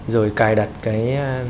rồi cài đặt cái